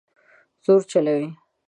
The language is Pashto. زور چلوي